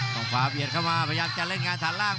ขวางฟ้าเบียดเข้ามาพยายามจะเล่นงานฐานล่าง